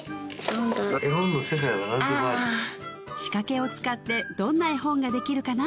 仕掛けを使ってどんな絵本ができるかな？